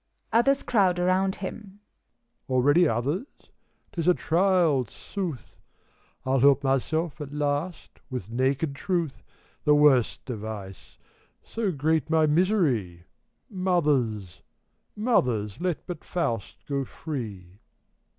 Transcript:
(Others crowd around him.) Already others? 'T is a trial, sooth! I'll help myself, at last, with naked truth — The worst device I — so great my misery. Mothers I Mothers ! let but Faust go free